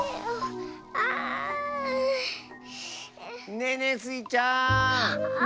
ねえねえスイちゃん！